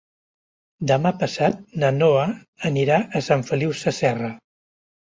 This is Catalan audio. Demà passat na Noa anirà a Sant Feliu Sasserra.